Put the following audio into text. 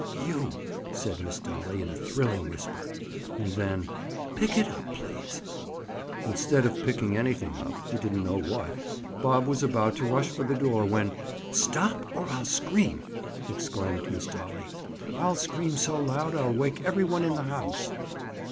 "You!" said Miss Dolly in a thrilling whisper. And then—"Pick it up, please." Instead of picking anything up—he didn't know what—Bob was about to rush for the door, when— "Stop! Or I'll scream," exclaimed Miss Dolly. "I'll scream so loud I'll wake every one in the house."